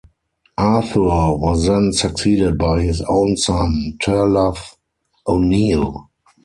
Arthur was then succeeded by his own son, Turlough O'Neill.